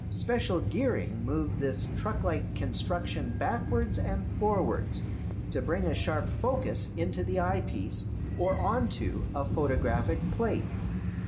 Special gearing moved this truck like construction backwards and forwards to bring a sharp focus into the eyepiece or on to a photographic plate.